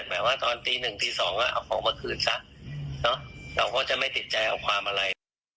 หมายว่าตอนตีหนึ่งตีสองก็เอาของมาคืนซะเราก็จะไม่ติดใจเอาความอะไร